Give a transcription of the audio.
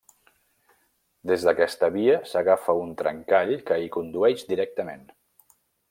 Des d'aquesta via s'agafa un trencall que hi condueix directament.